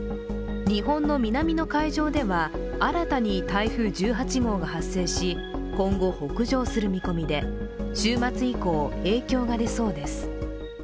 日本の南の海上では新たに台風１８号が発生し今後北上する見込みで週末以降、影響が出そうです。